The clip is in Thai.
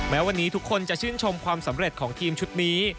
แม้วันนี้ทุกคนจะชื่นชมความสำเร็จของทีมชุดนี้